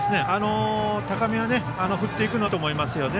高めは振っていくのはいいと思いますよね。